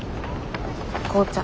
紅茶。